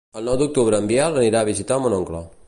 El nou d'octubre en Biel anirà a visitar mon oncle.